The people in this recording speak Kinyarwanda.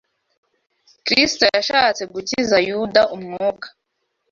Kristo yashatse gukiza Yuda umwuka